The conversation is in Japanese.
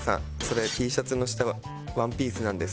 それＴシャツの下はワンピースなんです。